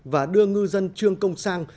và đưa ngư dân trương công sang